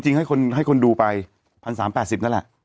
ให้คนดูไป๑๓๘๐นั่นแหละ